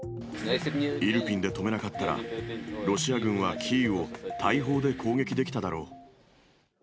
イルピンで止めなかったら、ロシア軍はキーウを大砲で攻撃できただろう。